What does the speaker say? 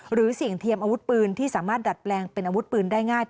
เสี่ยงเทียมอาวุธปืนที่สามารถดัดแปลงเป็นอาวุธปืนได้ง่าย